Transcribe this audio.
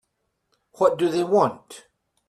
What do they want?